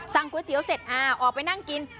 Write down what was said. สั่งก๋วยเตี๋ยวเสร็จอ่าออกไปนั่งกิน